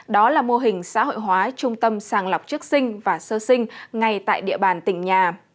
đó là mô hình xã hội hóa trung tâm sàng lọc chức sinh và sơ sinh ngay tại địa bàn tỉnh nhà